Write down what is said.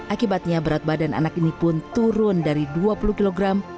akibatnya berat badan anak ini pun turun dari dua puluh kg